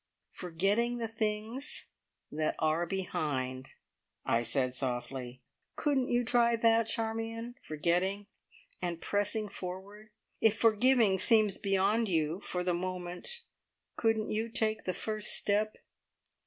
"Forgetting the things that are behind!" I said softly. "Couldn't you try that, Charmion? Forgetting, and pressing forward! If forgiving seems beyond you for the moment, couldn't you take the first step?"